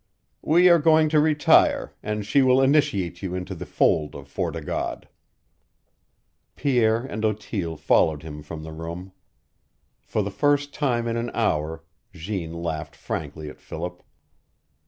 "We are going to retire, and she will initiate you into the fold of Fort o' God." Pierre and Otille followed him from the room. For the first time in an hour Jeanne laughed frankly at Philip.